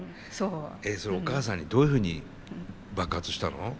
えそれお母さんにどういうふうに爆発したの？